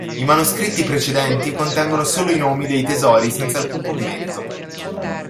I manoscritti precedenti contengono solo i nomi dei tesori senza alcun commento.